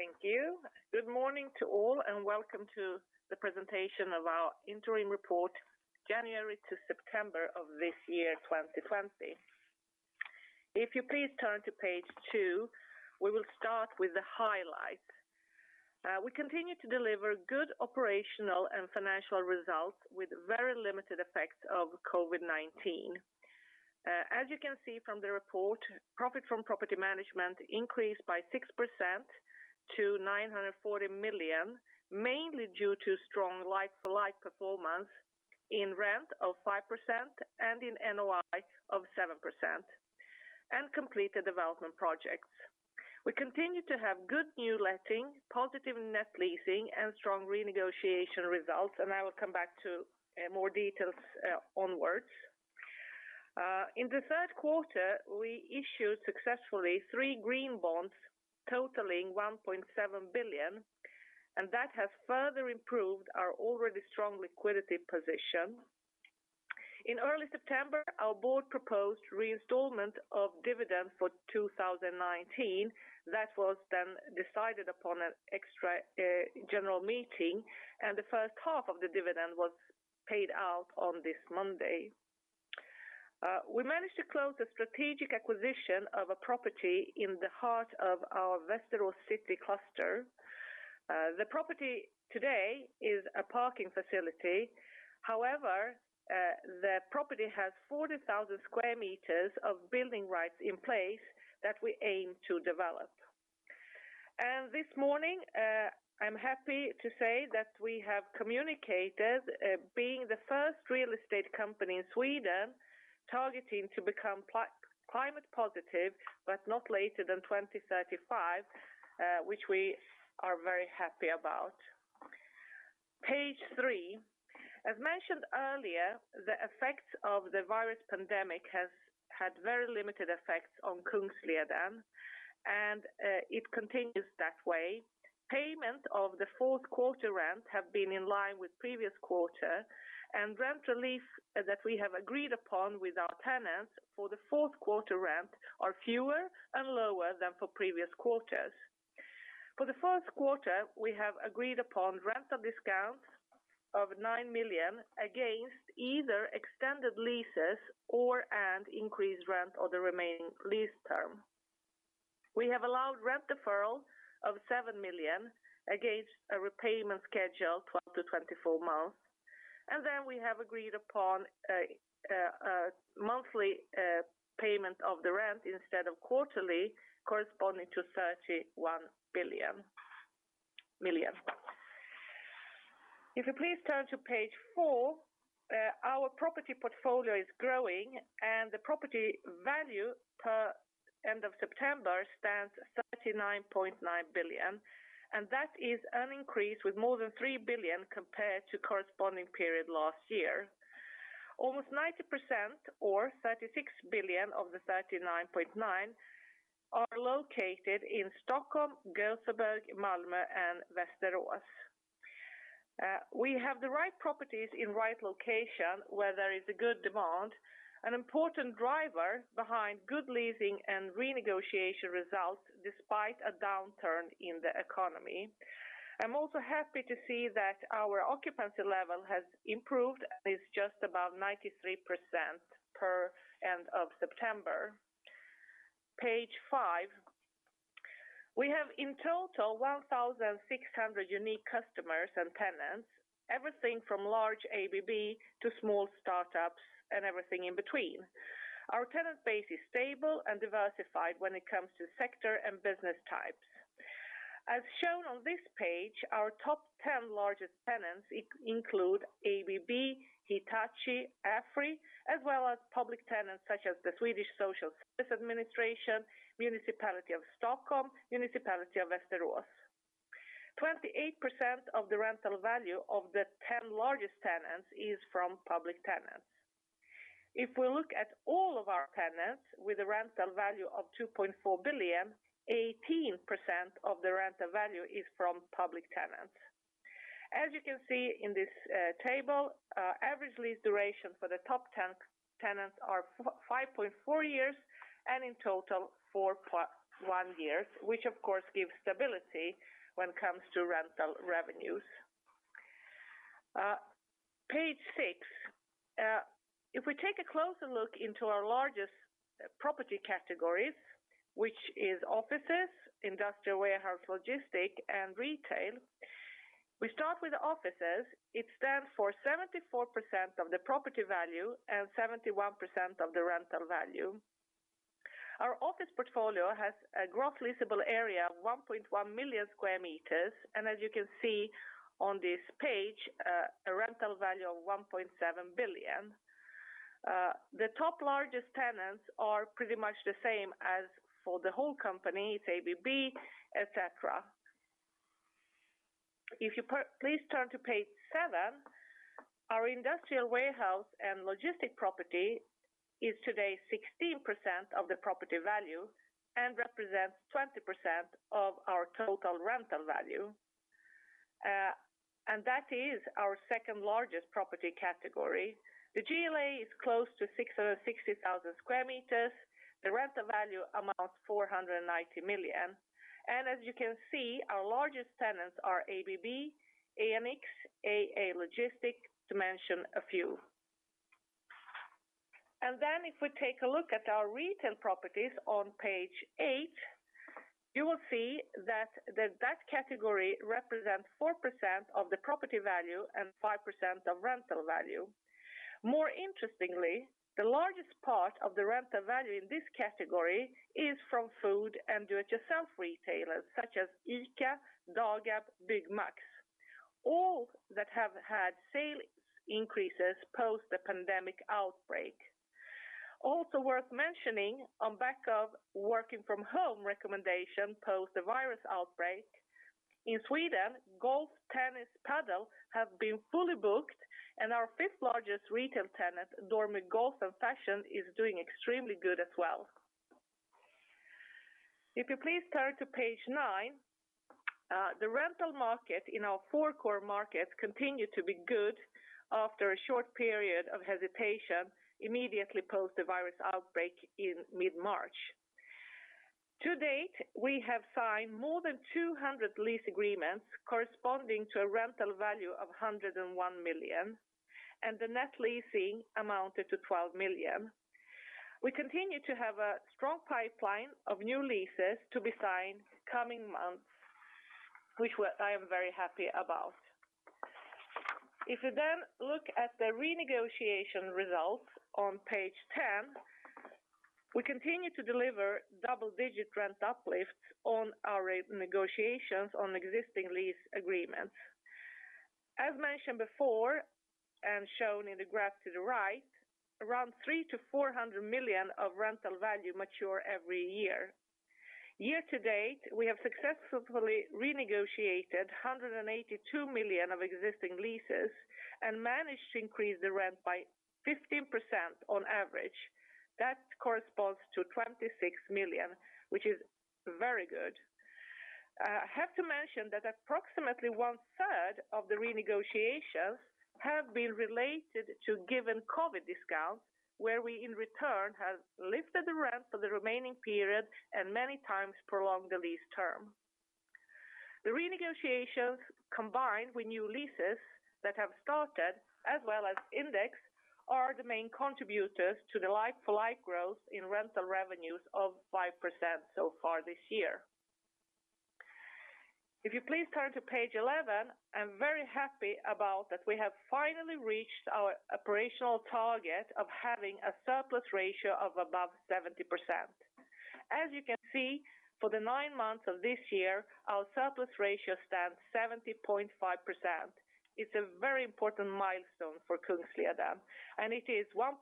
Thank you. Good morning to all and welcome to the presentation of our interim report, January to September of this year, 2020. If you please turn to page two, we will start with the highlights. We continue to deliver good operational and financial results with very limited effects of COVID-19. As you can see from the report, profit from property management increased by 6% to 940 million, mainly due to strong like-for-like performance in rent of 5% and in NOI of 7%, and completed development projects. We continue to have good new letting, positive net leasing, and strong renegotiation results. I will come back to more details onwards. In the third quarter, we issued successfully three green bonds totaling 1.7 billion. That has further improved our already strong liquidity position. In early September, our board proposed re-installment of dividends for 2019. That was then decided upon an extra general meeting. The first half of the dividend was paid out on this Monday. We managed to close the strategic acquisition of a property in the heart of our Västerås City cluster. The property today is a parking facility. The property has 40,000 sq m of building rights in place that we aim to develop. This morning, I'm happy to say that we have communicated being the first real estate company in Sweden targeting to become climate positive, but not later than 2035, which we are very happy about. Page three. As mentioned earlier, the effects of the virus pandemic has had very limited effects on Kungsleden. It continues that way. Payment of the fourth quarter rent have been in line with previous quarter, and rent relief that we have agreed upon with our tenants for the fourth quarter rent are fewer and lower than for previous quarters. For the fourth quarter, we have agreed upon rental discount of 9 million against either extended leases or/and increased rent on the remaining lease term. We have allowed rent deferral of 7 million against a repayment schedule 12-24 months. We have agreed upon a monthly payment of the rent instead of quarterly, corresponding to 31 million. If you please turn to page four, our property portfolio is growing, and the property value per end of September stands 39.9 billion, and that is an increase with more than 3 billion compared to corresponding period last year. Almost 90% or 36 billion of the 39.9 billion are located in Stockholm, Göteborg, Malmö, and Västerås. We have the right properties in right location where there is a good demand, an important driver behind good leasing and renegotiation results despite a downturn in the economy. I'm also happy to see that our occupancy level has improved and is just about 93% per end of September. Page five. We have in total 1,600 unique customers and tenants, everything from large ABB to small startups and everything in between. Our tenant base is stable and diversified when it comes to sector and business types. As shown on this page, our top 10 largest tenants include ABB, Hitachi, AFRY, as well as public tenants such as the Swedish Social Service Administration, Municipality of Stockholm, Municipality of Västerås. 28% of the rental value of the 10 largest tenants is from public tenants. If we look at all of our tenants with a rental value of 2.4 billion, 18% of the rental value is from public tenants. As you can see in this table, average lease duration for the top 10 tenants are 5.4 years, and in total, 4.1 years, which of course gives stability when it comes to rental revenues. Page six. If we take a closer look into our largest property categories, which is offices, industrial warehouse logistics, and retail. We start with offices. It stands for 74% of the property value and 71% of the rental value. Our office portfolio has a gross leasable area of 1.1 million sq m, and as you can see on this page, a rental value of 1.7 billion. The top largest tenants are pretty much the same as for the whole company. It's ABB, et cetera. If you please turn to page seven. Our industrial warehouse and logistic property is today 16% of the property value and represents 20% of our total rental value. That is our second-largest property category. The GLA is close to 660,000 sq m. The rental value amounts 490 million. As you can see, our largest tenants are ABB, AMF, AA Logistics, to mention a few. If we take a look at our retail properties on page eight, you will see that that category represents 4% of the property value and 5% of rental value. More interestingly, the largest part of the rental value in this category is from food and do-it-yourself retailers such as ICA, Dagab, Byggmax, all that have had sales increases post the pandemic outbreak. Also worth mentioning, on back of working from home recommendation post the virus outbreak, in Sweden, golf, tennis, padel have been fully booked, and our fifth-largest retail tenant, Dormy Golf and Fashion, is doing extremely good as well. If you please turn to page nine. The rental market in our four core markets continue to be good after a short period of hesitation immediately post the virus outbreak in mid-March. To date, we have signed more than 200 lease agreements corresponding to a rental value of 101 million. The net leasing amounted to 12 million. We continue to have a strong pipeline of new leases to be signed coming months, which I am very happy about. If you look at the renegotiation results on page 10, we continue to deliver double-digit rent uplifts on our rent negotiations on existing lease agreements. As mentioned before, and shown in the graph to the right, around SEK three to 400 million of rental value mature every year. Year to date, we have successfully renegotiated 182 million of existing leases and managed to increase the rent by 15% on average. That corresponds to 26 million, which is very good. I have to mention that approximately one-third of the renegotiations have been related to given COVID-19 discounts, where we in return have lifted the rent for the remaining period and many times prolonged the lease term. The renegotiations combined with new leases that have started as well as index are the main contributors to the like-for-like growth in rental revenues of 5% so far this year. If you please turn to page 11. I'm very happy about that we have finally reached our operational target of having a surplus ratio of above 70%. As you can see, for the nine months of this year, our surplus ratio stands 70.5%. It is a very important milestone for Kungsleden. It is 1.6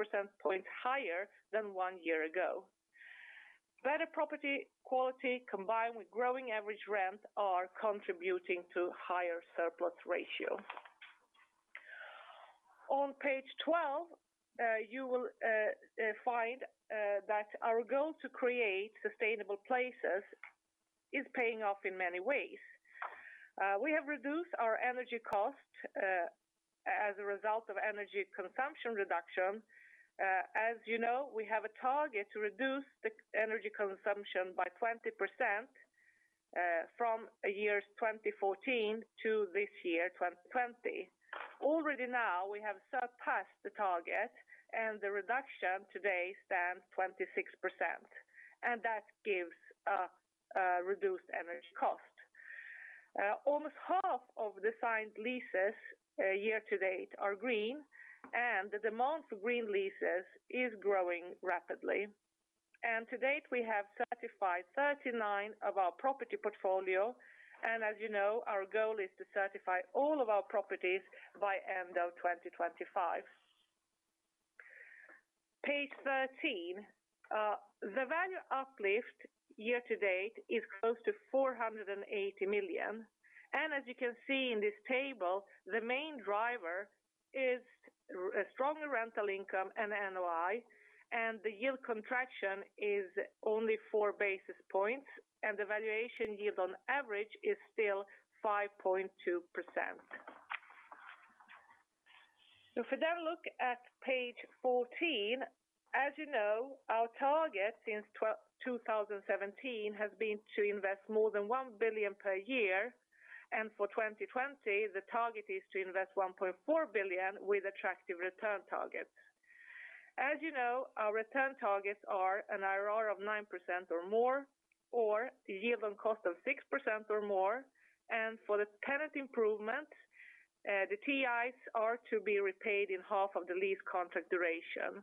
percentage point higher than one year ago. Better property quality combined with growing average rent are contributing to higher surplus ratio. On page 12, you will find that our goal to create sustainable places is paying off in many ways. We have reduced our energy cost as a result of energy consumption reduction. As you know, we have a target to reduce the energy consumption by 20% from years 2014 to this year, 2020. Already now, we have surpassed the target. The reduction today stands 26%. That gives a reduced energy cost. Almost half of the signed leases year to date are green. The demand for green leases is growing rapidly. To date, we have certified 39 of our property portfolio. As you know, our goal is to certify all of our properties by end of 2025. Page 13. The value uplift year to date is close to 480 million. As you can see in this table, the main driver is a stronger rental income and NOI. The yield contraction is only four basis points, and the valuation yield on average is still 5.2%. If we then look at page 14. As you know, our target since 2017 has been to invest more than 1 billion per year. For 2020, the target is to invest 1.4 billion with attractive return targets. As you know, our return targets are an IRR of 9% or more, or the yield on cost of 6% or more. For the tenant improvement, the TIs are to be repaid in half of the lease contract duration.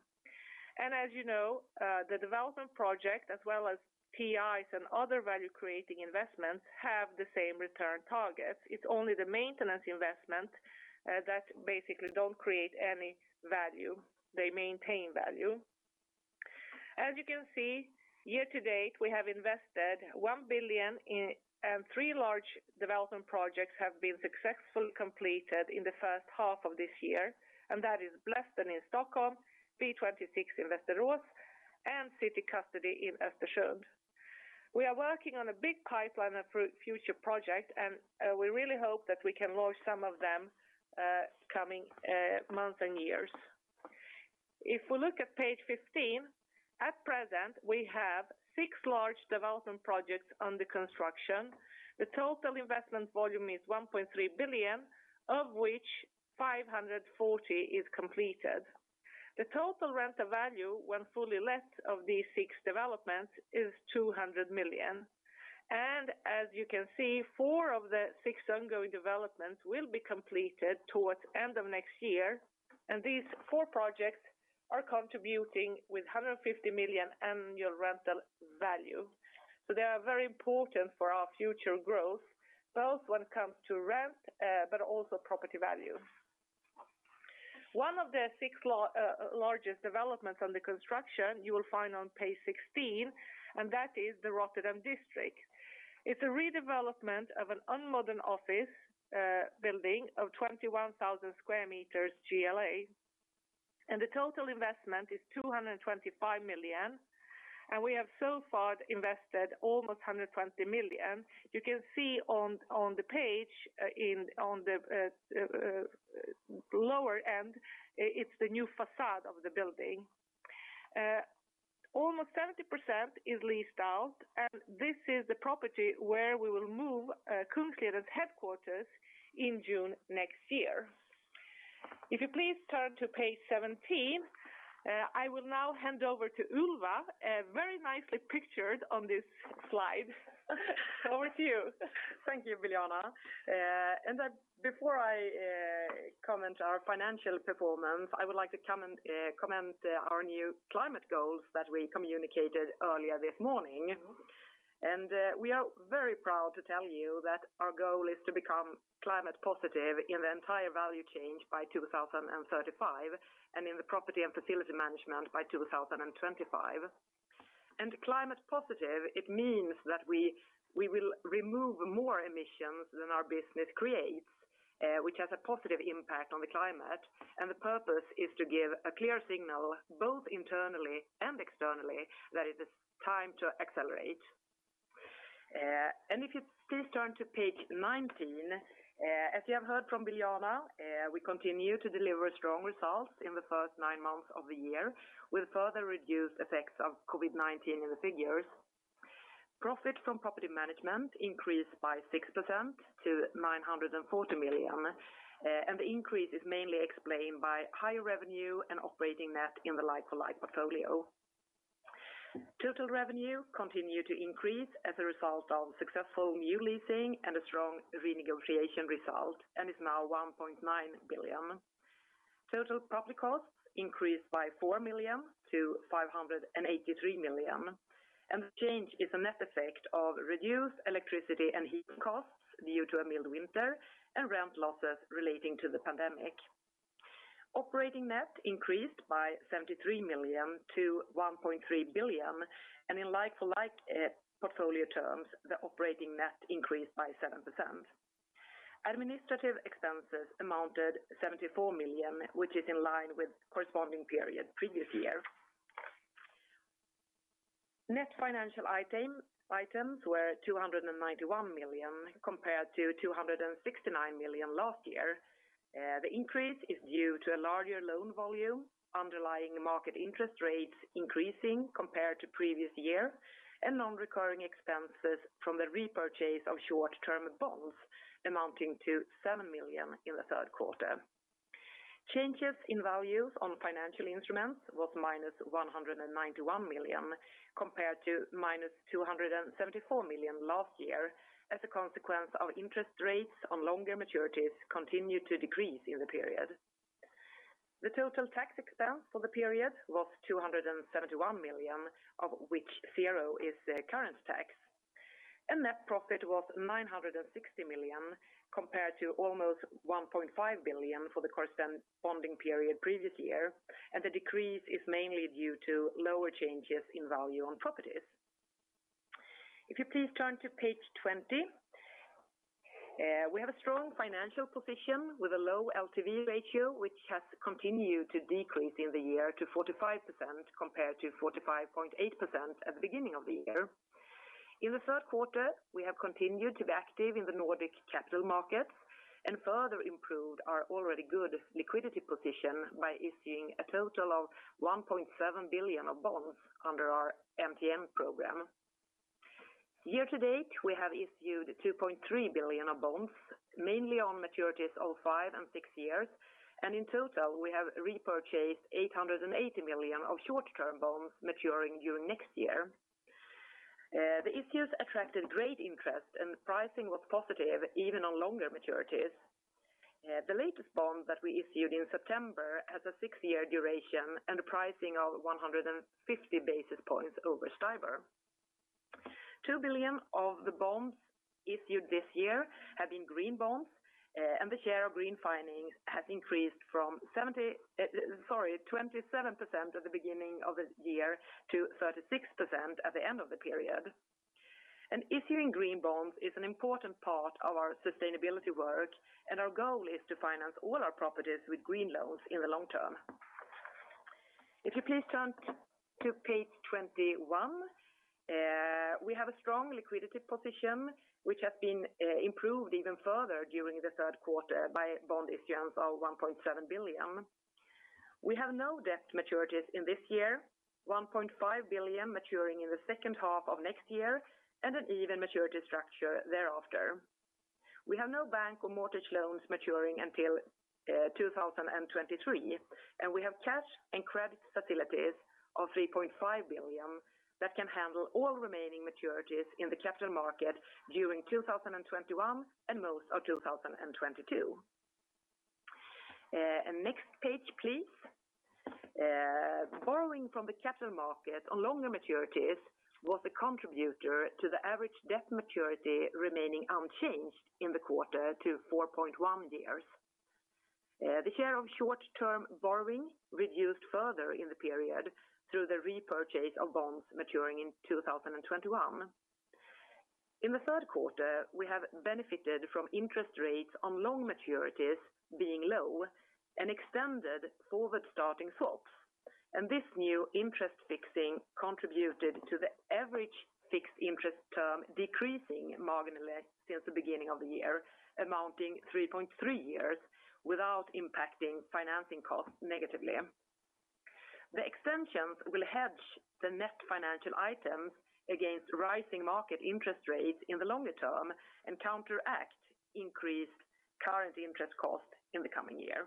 As you know, the development project as well as TIs and other value-creating investments have the same return targets. It's only the maintenance investment that basically don't create any value, they maintain value. As you can see, year to date, we have invested 1 billion, and three large development projects have been successfully completed in the first half of this year, and that is Blästern in Stockholm, P26 in Västerås and city custody in Östersund. We are working on a big pipeline of future projects, and we really hope that we can launch some of them coming months and years. If we look at page 15, at present, we have six large development projects under construction. The total investment volume is 1.3 billion, of which 540 is completed. The total rental value when fully let of these six developments is 200 million. As you can see, four of the six ongoing developments will be completed towards end of next year, and these four projects are contributing with 150 million annual rental value. They are very important for our future growth, both when it comes to rent, but also property value. One of the six largest developments under construction you will find on page 16, and that is The Rotterdam District. It's a redevelopment of an un-modern office building of 21,000 sq m GLA, and the total investment is 225 million. We have so far invested almost 120 million. You can see on the page on the lower end, it's the new facade of the building. Almost 70% is leased out, and this is the property where we will move Kungsleden's headquarters in June next year. If you please turn to page 17, I will now hand over to Ylva, very nicely pictured on this slide. Over to you. Thank you, Biljana. Before I comment our financial performance, I would like to comment our new climate goals that we communicated earlier this morning. We are very proud to tell you that our goal is to become climate positive in the entire value chain by 2035, and in the property and facility management by 2025. Climate positive, it means that we will remove more emissions than our business creates, which has a positive impact on the climate, and the purpose is to give a clear signal, both internally and externally, that it is time to accelerate. If you please turn to page 19. As you have heard from Biljana, we continue to deliver strong results in the first nine months of the year with further reduced effects of COVID-19 in the figures. Profit from property management increased by 6% to 940 million, and the increase is mainly explained by higher revenue and operating net in the like-for-like portfolio. Total revenue continued to increase as a result of successful new leasing and a strong renegotiation result, and is now 1.9 billion. Total property costs increased by 4 million to 583 million. The change is a net effect of reduced electricity and heat costs due to a mild winter and rent losses relating to the pandemic. Operating net increased by 73 million to 1.3 billion, and in like-for-like portfolio terms, the operating net increased by 7%. Administrative expenses amounted 74 million, which is in line with corresponding period previous year. Net financial items were 291 million, compared to 269 million last year. The increase is due to a larger loan volume underlying market interest rates increasing compared to previous year, and non-recurring expenses from the repurchase of short-term bonds amounting to 7 million in the third quarter. Changes in values on financial instruments was -191 million compared to -274 million last year as a consequence of interest rates on longer maturities continued to decrease in the period. The total tax expense for the period was 271 million, of which zero is the current tax. Net profit was 960 million compared to almost 1.5 billion for the corresponding period previous year, The decrease is mainly due to lower changes in value on properties. If you please turn to page 20. We have a strong financial position with a low LTV ratio, which has continued to decrease in the year to 45% compared to 45.8% at the beginning of the year. In the third quarter, we have continued to be active in the Nordic capital markets and further improved our already good liquidity position by issuing a total of 1.7 billion of bonds under our MTN program. Year to date, we have issued 2.3 billion of bonds, mainly on maturities of five and six years, and in total, we have repurchased 880 million of short-term bonds maturing during next year. The issues attracted great interest and the pricing was positive even on longer maturities. The latest bond that we issued in September has a six-year duration and a pricing of 150 basis points over STIBOR. 2 billion of the bonds issued this year have been green bonds, and the share of green financings has increased from 27% at the beginning of the year to 36% at the end of the period. Issuing green bonds is an important part of our sustainability work, and our goal is to finance all our properties with green loans in the long term. If you please turn to page 21. We have a strong liquidity position, which has been improved even further during the third quarter by bond issuance of 1.7 billion. We have no debt maturities in this year, 1.5 billion maturing in the second half of next year, and an even maturity structure thereafter. We have no bank or mortgage loans maturing until 2023, and we have cash and credit facilities of 3.5 billion that can handle all remaining maturities in the capital market during 2021 and most of 2022. Next page, please. Borrowing from the capital market on longer maturities was a contributor to the average debt maturity remaining unchanged in the quarter to 4.1 years. The share of short-term borrowing reduced further in the period through the repurchase of bonds maturing in 2021. In the third quarter, we have benefited from interest rates on long maturities being low and extended forward starting swaps. This new interest fixing contributed to the average fixed interest term decreasing marginally since the beginning of the year, amounting 3.3 years without impacting financing costs negatively. The extensions will hedge the net financial items against rising market interest rates in the longer term and counteract increased current interest cost in the coming year.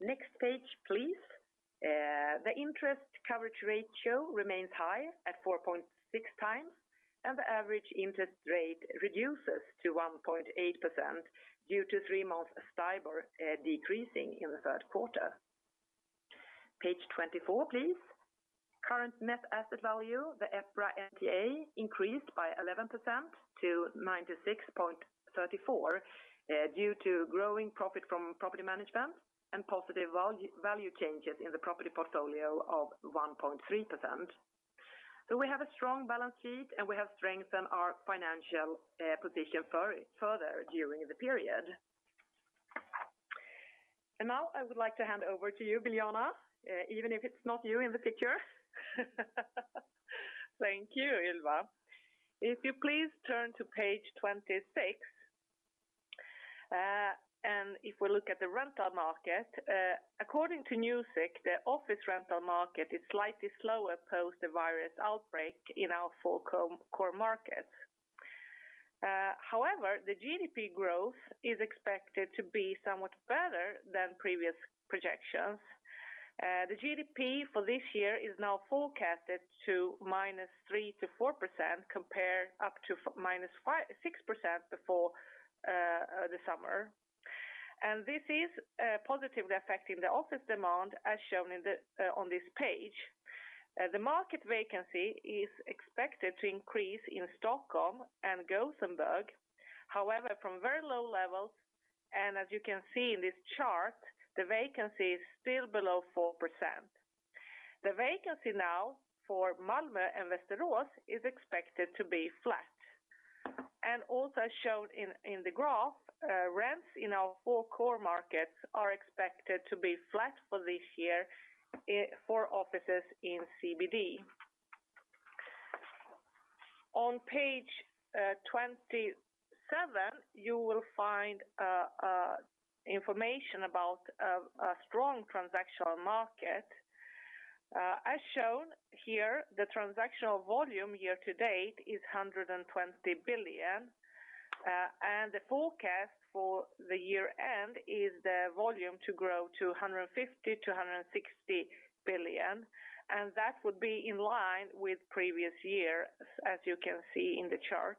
Next page, please. The interest coverage ratio remains high at 4.6x, and the average interest rate reduces to 1.8% due to three-month STIBOR decreasing in the third quarter. Page 24, please. Current net asset value, the EPRA NRV increased by 11% to 96.34 due to growing profit from property management and positive value changes in the property portfolio of 1.3%. We have a strong balance sheet, and we have strengthened our financial position further during the period. Now I would like to hand over to you, Biljana, even if it's not you in the picture. Thank you, Ylva. If you please turn to page 26. If we look at the rental market, according to Newsec, the office rental market is slightly slower post the virus outbreak in our four core markets. However, the GDP growth is expected to be somewhat better than previous projections. The GDP for this year is now forecasted to -3% to -4%, compared up to -6% before the summer. This is positively affecting the office demand as shown on this page. The market vacancy is expected to increase in Stockholm and Gothenburg. However, from very low levels, as you can see in this chart, the vacancy is still below 4%. The vacancy now for Malmo and Västerås is expected to be flat. Also shown in the graph, rents in our four core markets are expected to be flat for this year for offices in CBD. On page 27, you will find information about a strong transactional market. As shown here, the transactional volume year to date is 120 billion, and the forecast for the year-end is the volume to grow to 150 billion-160 billion. That would be in line with previous years, as you can see in the chart.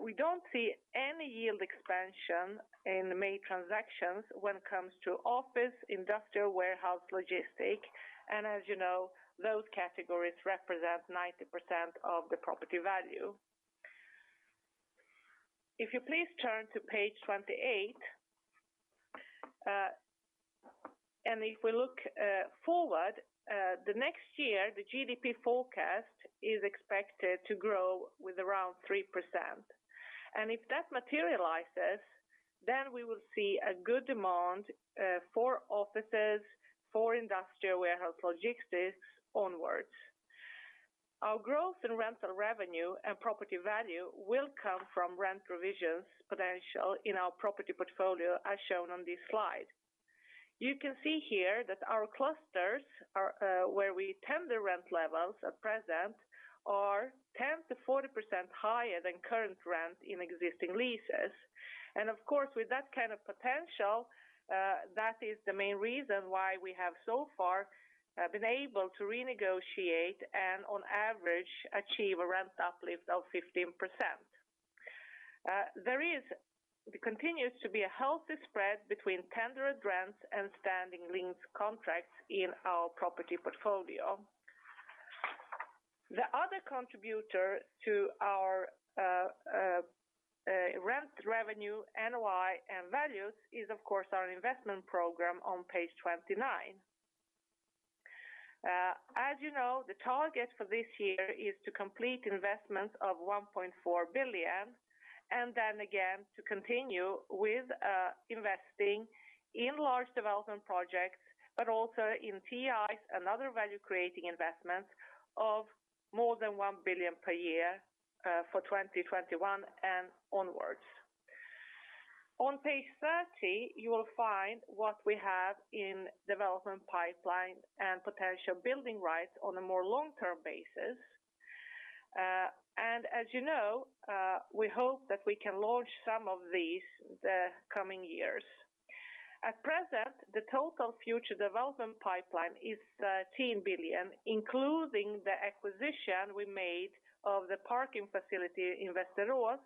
We don't see any yield expansion in the main transactions when it comes to office, industrial, warehouse, logistics. As you know, those categories represent 90% of the property value. If you please turn to page 28. If we look forward, the next year, the GDP forecast is expected to grow with around 3%. If that materializes, we will see a good demand for offices, for industrial warehouse logistics onwards. Our growth in rental revenue and property value will come from rent revisions potential in our property portfolio as shown on this slide. You can see here that our clusters where we tender rent levels at present are 10% to 40% higher than current rent in existing leases. Of course, with that kind of potential, that is the main reason why we have so far been able to renegotiate and on average, achieve a rent uplift of 15%. There continues to be a healthy spread between tendered rents and standing lease contracts in our property portfolio. The other contributor to our rent revenue NOI and values is, of course, our investment program on page 29. As you know, the target for this year is to complete investments of 1.4 billion and then again to continue with investing in large development projects, but also in TIs and other value-creating investments of more than 1 billion per year for 2021 and onwards. On page 30, you will find what we have in development pipeline and potential building rights on a more long-term basis. As you know, we hope that we can launch some of these the coming years. At present, the total future development pipeline is 13 billion, including the acquisition we made of the parking facility in Västerås,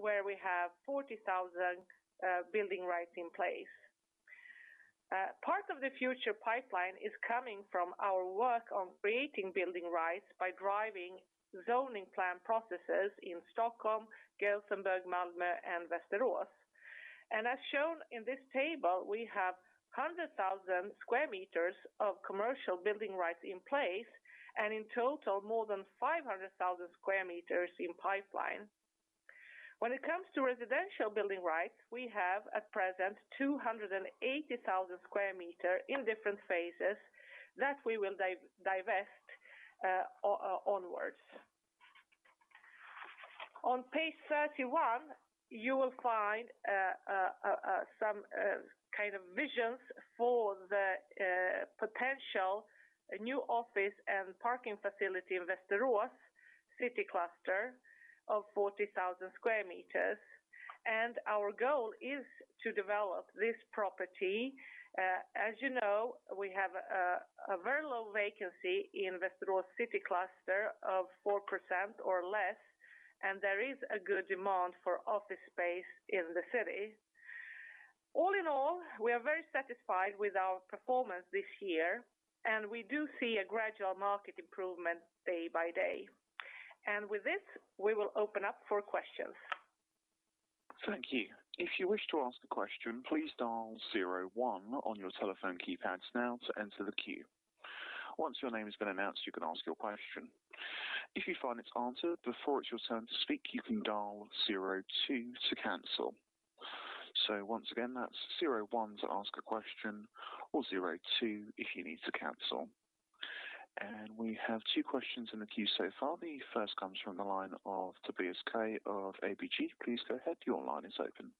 where we have 40,000 building rights in place. Part of the future pipeline is coming from our work on creating building rights by driving zoning plan processes in Stockholm, Gothenburg, Malmo and Västerås. As shown in this table, we have 100,000 sq m of commercial building rights in place and in total more than 500,000 sq m in pipeline. When it comes to residential building rights, we have at present 280,000 sq m in different phases that we will divest onwards. On page 31, you will find some kind of visions for the potential new office and parking facility in Västerås city cluster of 40,000 sq m, and our goal is to develop this property. As you know, we have a very low vacancy in Västerås city cluster of 4% or less, and there is a good demand for office space in the city. All in all, we are very satisfied with our performance this year, and we do see a gradual market improvement day by day. With this, we will open up for questions. Thank you. If you wish to ask a question, please dial zero one on your telephone keypads now to enter the queue. Once your name has been announced, you can ask your question. If you find it's answered before it's your turn to speak, you can dial zero, two to cancel. Once again, that's zero, one to ask a question or zero, two if you need to cancel. We have two questions in the queue so far. The first comes from the line of Tobias Kaj of ABG. Please go ahead. Your line is open.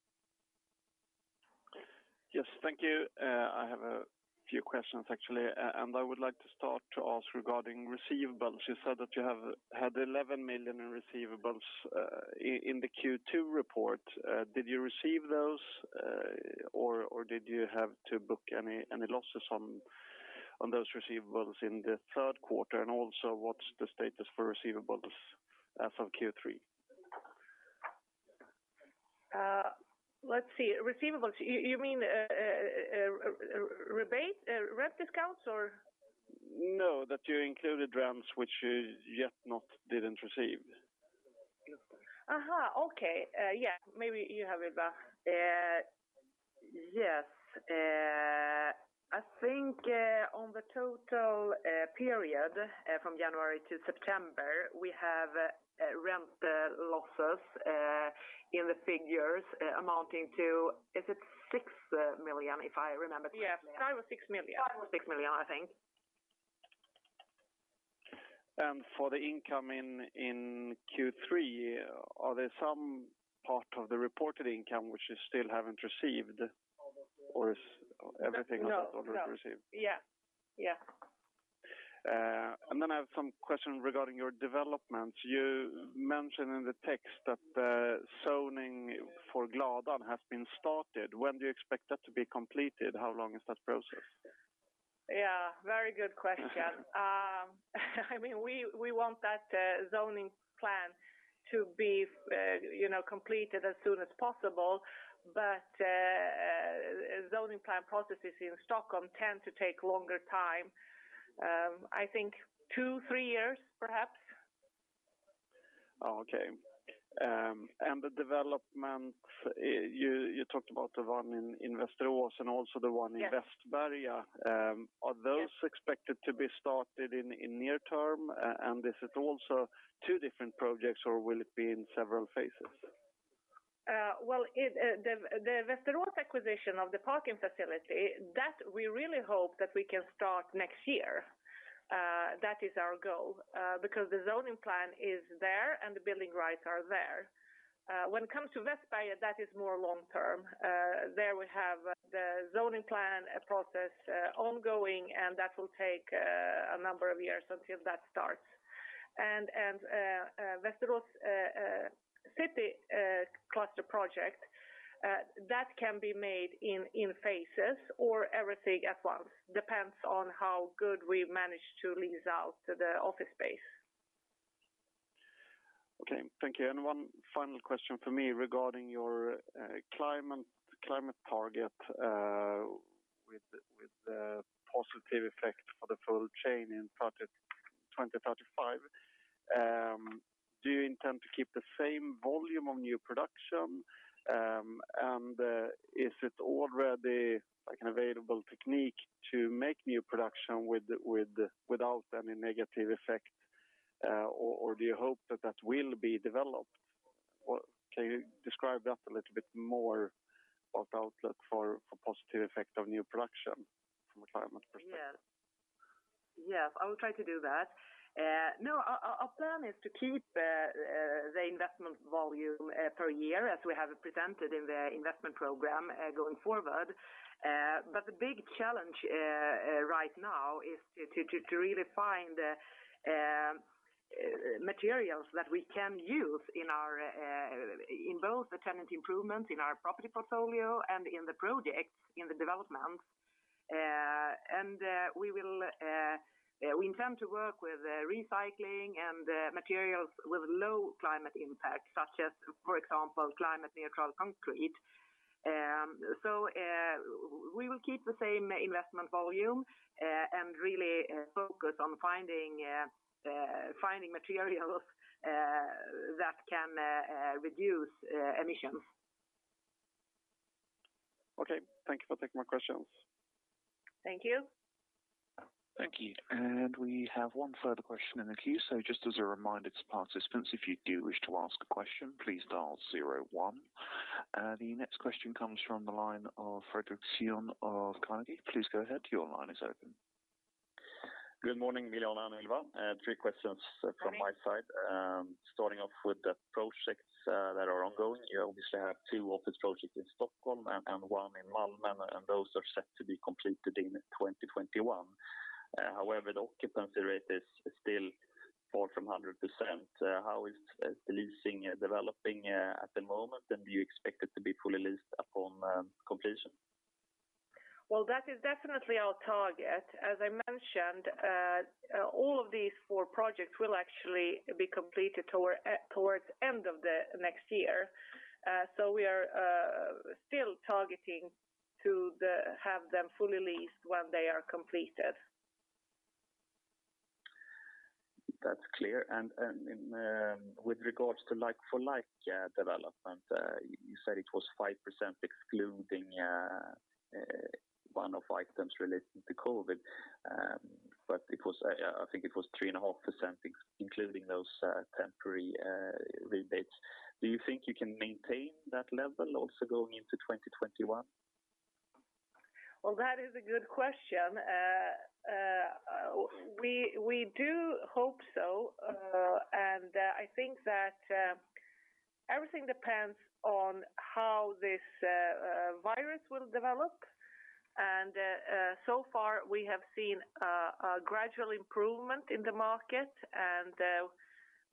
Yes, thank you. I have a few questions actually. I would like to start to ask regarding receivables. You said that you have had 11 million in receivables in the Q2 report. Did you receive those or did you have to book any losses on those receivables in the third quarter? Also what's the status for receivables as of Q3? Let's see. Receivables. You mean rebate, rent discounts or? No, that you included rents which you yet didn't receive. Okay. Maybe you have it back. Yes, I think on the total period from January to September, we have rent losses in the figures amounting to, is it 6 million, if I remember correctly? 5 million or 6 million. 5 million or 6 million, I think. For the income in Q3, are there some part of the reported income which you still haven't received? Is everything? No You've received? Yeah. I have some questions regarding your development. You mentioned in the text that the zoning for Gladan has been started. When do you expect that to be completed? How long is that process? Yeah, very good question. We want that zoning plan to be completed as soon as possible, but zoning plan processes in Stockholm tend to take longer time. I think two, three years perhaps. Okay. The development, you talked about the one in Västerås and also the one in... Yes ...Västberga. Are those expected to be started in near term? Is it also two different projects or will it be in several phases? Well, the Västerås acquisition of the parking facility, that we really hope that we can start next year. That is our goal because the zoning plan is there and the building rights are there. When it comes to Västberga, that is more long-term. There we have the zoning plan process ongoing, and that will take a number of years until that starts. Västerås city cluster project, that can be made in phases or everything at once, depends on how good we manage to lease out the office space. Okay, thank you. One final question from me regarding your climate target with the positive effect for the full chain in 2035. Do you intend to keep the same volume of new production? Is it already an available technique to make new production without any negative effect? Do you hope that will be developed? Can you describe that a little bit more of the outlook for positive effect of new production from a climate perspective? Yes, I will try to do that. Our plan is to keep the investment volume per year as we have presented in the investment program going forward. The big challenge right now is to really find the materials that we can use in both the Tenant Improvements in our property portfolio and in the projects in the developments. We intend to work with recycling and materials with low climate impact such as, for example, climate neutral concrete. We will keep the same investment volume, and really focus on finding materials that can reduce emissions. Okay. Thank you for taking my questions. Thank you. Thank you. We have one further question in the queue. Just as a reminder to participants, if you do wish to ask a question, please dial zero, one. The next question comes from the line of Fredric Cyon of Carnegie. Please go ahead. Your line is open. Good morning, Biljana and Ylva. three questions from my side. Good morning. Starting off with the projects that are ongoing. You obviously have two office projects in Stockholm and one in Malmö, and those are set to be completed in 2021. The occupancy rate is still far from 100%. How is leasing developing at the moment, and do you expect it to be fully leased upon completion? That is definitely our target. As I mentioned, all of these four projects will actually be completed towards the end of the next year. We are still targeting to have them fully leased when they are completed. That's clear. With regards to like-for-like development, you said it was 5% excluding one of items related to COVID. I think it was 3.5% including those temporary rebates. Do you think you can maintain that level also going into 2021? Well, that is a good question. We do hope so, and I think that everything depends on how this virus will develop. So far, we have seen a gradual improvement in the market, and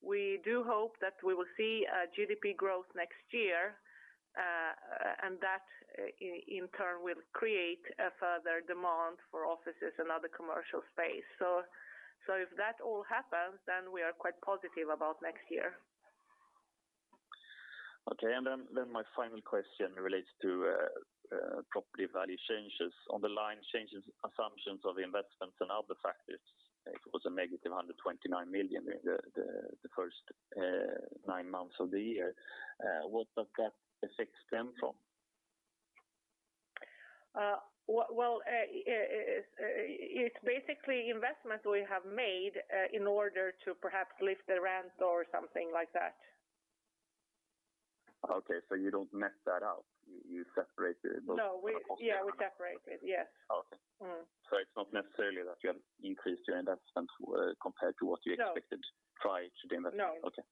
we do hope that we will see a GDP growth next year. That in turn will create a further demand for offices and other commercial space. If that all happens, then we are quite positive about next year. Okay, my final question relates to property value changes. On the line changes, assumptions of investments and other factors, it was a negative 129 million in the first nine months of the year. What does that effect stem from? It's basically investments we have made in order to perhaps lift the rent or something like that. Okay, you don't net that out? You separate both the positive and the-? No. We separate it. Yes. Okay. It's not necessarily that you have increased your investments compared to what you expected... No ...prior to the investment. No. Okay.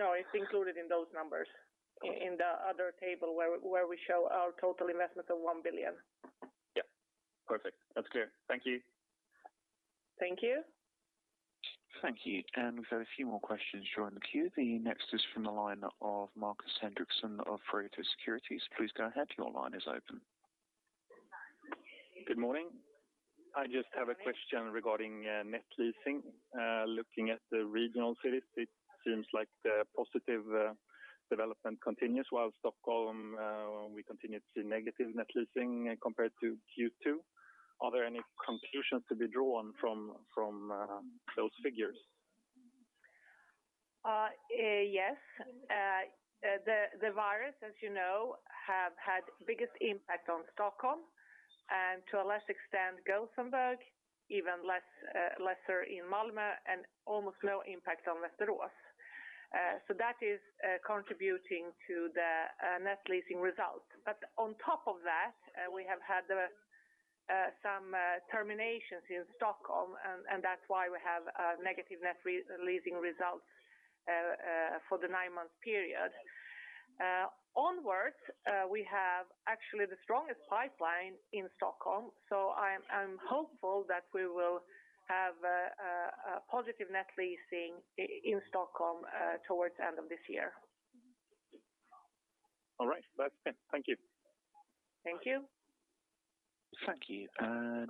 No, it's included in those numbers. Okay In the other table where we show our total investment of 1 billion. Yeah, perfect. That's clear. Thank you. Thank you. Thank you. We've got a few more questions here in the queue. The next is from the line of Markus Henriksson of Pareto Securities. Please go ahead. Your line is open. Good morning. I just have a question regarding net leasing. Looking at the regional cities, it seems like the positive development continues while Stockholm, we continue to see negative net leasing compared to Q2. Are there any conclusions to be drawn from those figures? Yes. The virus, as you know, have had biggest impact on Stockholm and to a lesser extent, Gothenburg, even lesser in Malmo, and almost no impact on Västerås. That is contributing to the net leasing results. On top of that, we have had some terminations in Stockholm, and that's why we have a negative net leasing result for the nine-month period. Onwards, we have actually the strongest pipeline in Stockholm, so I'm hopeful that we will have a positive net leasing in Stockholm towards the end of this year. All right, that's it. Thank you. Thank you. Thank you.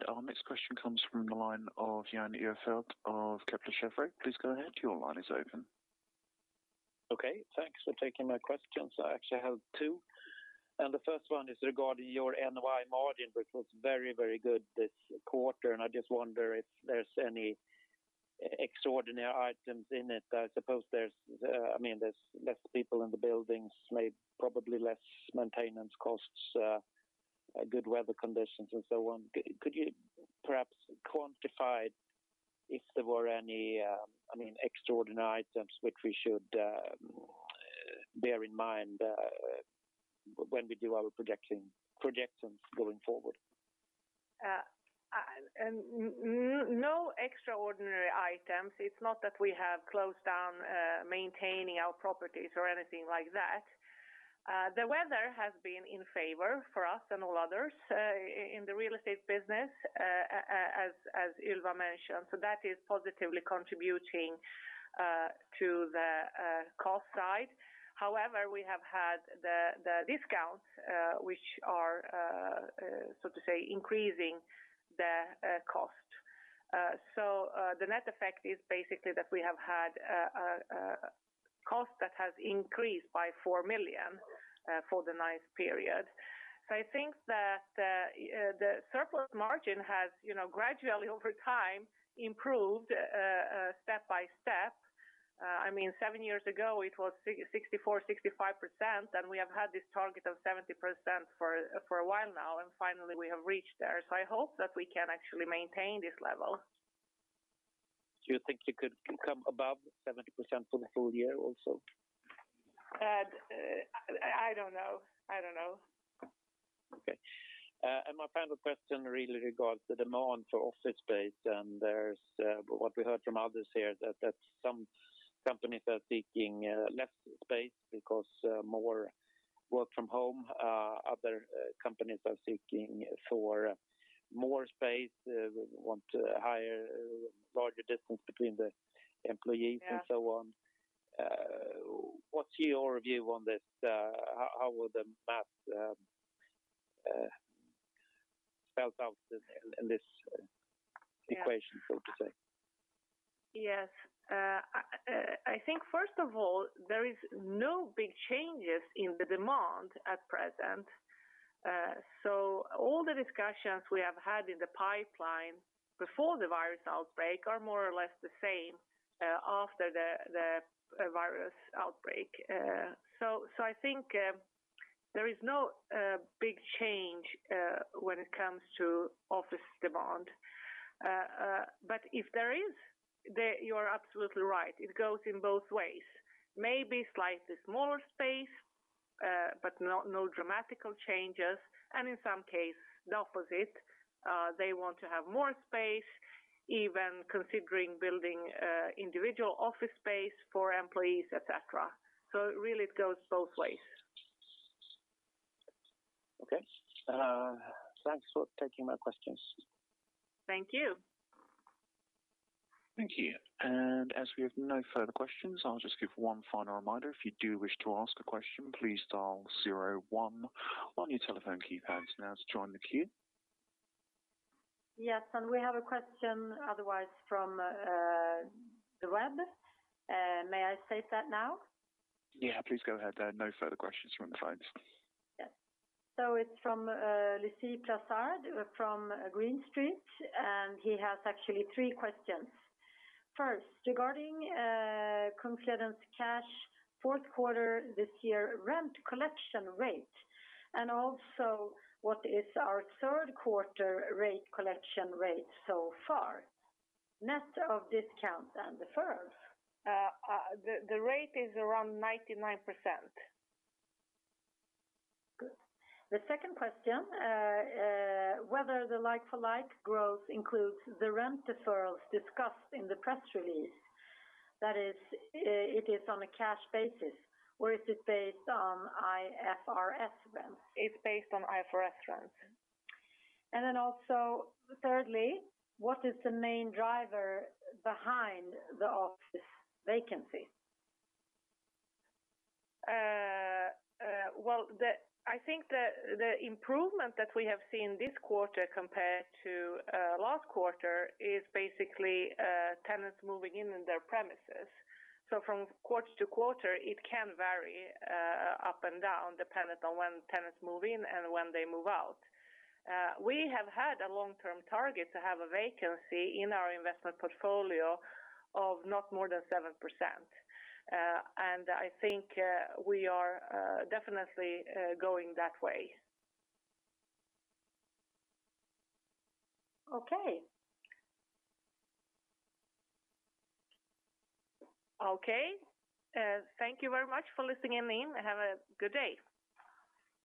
Our next question comes from the line of Jan Ihrfelt of Kepler Cheuvreux. Please go ahead. Your line is open. Okay. Thanks for taking my questions. I actually have two. The first one is regarding your NOI margin, which was very good this quarter, and I just wonder if there's any extraordinary items in it. I suppose there's less people in the buildings, probably less maintenance costs, good weather conditions, and so on. Could you perhaps quantify if there were any extraordinary items which we should bear in mind when we do our projections going forward? No extraordinary items. It's not that we have closed down maintaining our properties or anything like that. The weather has been in favor for us and all others in the real estate business, as Ylva mentioned. That is positively contributing to the cost side. However, we have had the discounts which are so to say, increasing the cost. The net effect is basically that we have had a cost that has increased by 4 million for the ninth period. I think that the surplus margin has gradually over time improved step by step. Seven years ago it was 64%-65%, and we have had this target of 70% for a while now, and finally, we have reached there. I hope that we can actually maintain this level. Do you think you could come above 70% for the full year also? I don't know. Okay. My final question really regards the demand for office space, and there's what we heard from others here, that some companies are seeking less space because more work from home. Other companies are seeking for more space, want larger distance between the employees and so on. Yeah. What's your view on this? How will the math spell out in this equation, so to say? Yes. I think first of all, there is no big changes in the demand at present. All the discussions we have had in the pipeline before the virus outbreak are more or less the same after the virus outbreak. I think there is no big change when it comes to office demand. If there is, you are absolutely right, it goes in both ways. Maybe slightly smaller space, but no dramatic changes. In some case the opposite, they want to have more space, even considering building individual office space for employees, et cetera. Really it goes both ways. Okay. Thanks for taking my questions. Thank you. Thank you. As we have no further questions, I'll just give one final reminder. If you do wish to ask a question, please dial zero, one on your telephone keypad now to join the queue. Yes. We have a question otherwise from the web. May I state that now? Yeah, please go ahead. No further questions from the phones. Yes. It's from Lucie Plassard from Green Street, and he has actually three questions. First, regarding Kungsleden's cash fourth quarter this year rent collection rate, and also what is our third-quarter rent collection rate so far, net of discount and deferrals? The rate is around 99%. Good. The second question, whether the like-for-like growth includes the rent deferrals discussed in the press release. That is, it is on a cash basis, or is it based on IFRS rent? It's based on IFRS rent. Then also thirdly, what is the main driver behind the office vacancy? Well, I think the improvement that we have seen this quarter compared to last quarter is basically tenants moving in in their premises. From quarter to quarter, it can vary up and down dependent on when tenants move in and when they move out. We have had a long-term target to have a vacancy in our investment portfolio of not more than 7%. I think we are definitely going that way. Okay. Okay. Thank you very much for listening in. Have a good day.